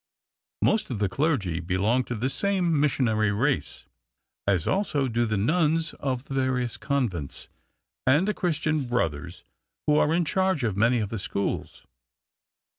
Most of the clergy belong to the same missionary race, as also do the nuns of the various convents, and the Christian Brothers, who are in charge of many of the schools.